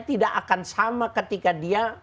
tidak akan sama ketika dia